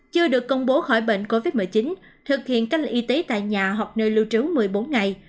chưa được công bố khỏi bệnh covid một mươi chín thực hiện cách ly y tế tại nhà hoặc nơi lưu trú một mươi bốn ngày